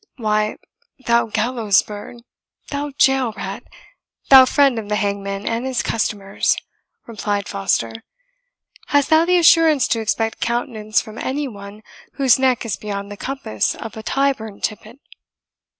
"Why, thou gallows bird thou jail rat thou friend of the hangman and his customers!" replied Foster, "hast thou the assurance to expect countenance from any one whose neck is beyond the compass of a Tyburn tippet?"